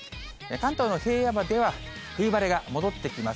関東の平野部では、冬晴れが戻ってきます。